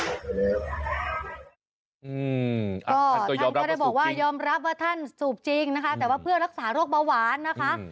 อืมท่านก็ได้บอกว่ายอมรับว่าท่านสูบจริงนะคะแต่ว่าเพื่อรักษาโรคเบาหวานนะคะ